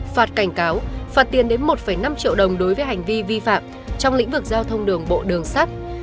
phạt cảnh cáo phạt tiền đến một năm triệu đồng đối với hành vi vi phạm trong lĩnh vực giao thông đường bộ đường sắt